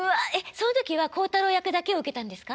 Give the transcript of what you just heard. その時は孝太郎役だけを受けたんですか？